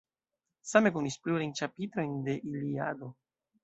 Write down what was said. Same konis plurajn ĉapitrojn de Iliado.